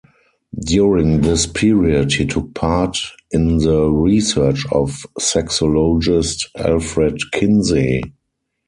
During this period he took part in the research of sexologist Alfred Kinsey.